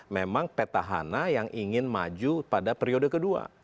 memang peta hana yang ingin maju pada periode kedua